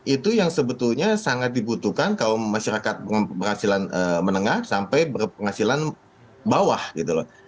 itu yang sebetulnya sangat dibutuhkan kalau masyarakat berhasilan menengah sampai berpenghasilan bawah gitu loh